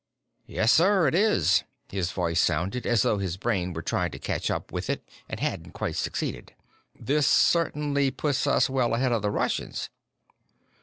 "Yes, sir, it is." His voice sounded as though his brain were trying to catch up with it and hadn't quite succeeded. "This certainly puts us well ahead of the Russians."